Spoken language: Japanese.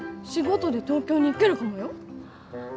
仕事で東京に行けるかもよ？